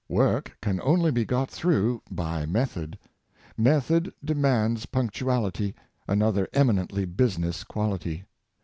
Work can only be got through by method. Method demands punctuality, another eminently business quality.